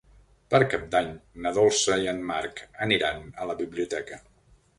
Per Cap d'Any na Dolça i en Marc aniran a la biblioteca.